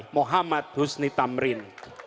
muhammad husni tamrin